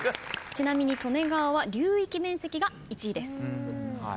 ちなみに利根川は流域面積が１位です。